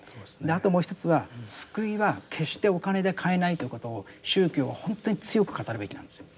あともう一つは救いは決してお金で買えないということを宗教は本当に強く語るべきなんですよ。